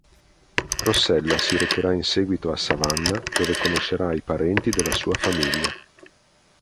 Rossella si recherà in seguito a Savannah dove conoscerà i parenti della sua famiglia.